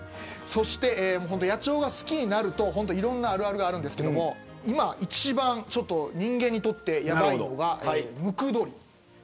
そして野鳥が好きになるといろんな、あるあるがあるんですけど今一番人間にとって、やばいのがムクドリ。